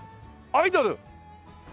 アイドル！？